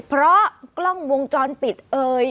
เพราะกล้องวงจรปิดเอ่ย